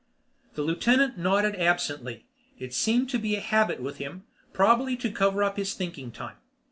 The Lieutenant nodded absently. It seemed to be a habit with him, probably to cover up his thinking time.